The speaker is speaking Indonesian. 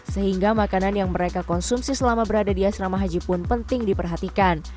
sehingga makanan yang mereka konsumsi selama berada di asrama haji pun penting diperhatikan